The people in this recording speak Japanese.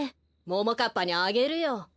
ももかっぱにあげるよ。